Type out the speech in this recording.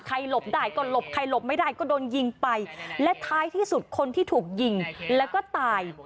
หลบได้ก็หลบใครหลบไม่ได้ก็โดนยิงไปและท้ายที่สุดคนที่ถูกยิงแล้วก็ตาย